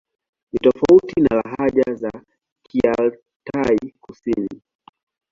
Ni tofauti na lahaja za Kialtai-Kusini.